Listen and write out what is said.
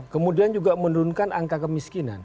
kemudian juga menurunkan angka kemiskinan